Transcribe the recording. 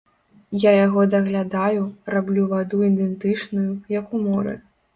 Я яго даглядаю, раблю ваду ідэнтычную, як у моры.